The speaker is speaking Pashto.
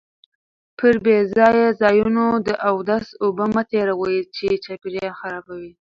پر بې ځایه ځایونو د اوداسه اوبه مه تېروئ چې چاپیریال خرابوي.